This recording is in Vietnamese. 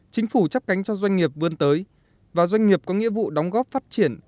chính phủ chấp cánh cho doanh nghiệp vươn tới và doanh nghiệp có nghĩa vụ đóng góp phát triển